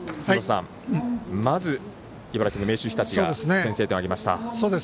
まず、茨城、明秀日立が先制点を挙げました。